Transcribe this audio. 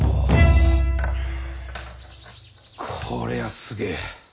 こりゃすげえ。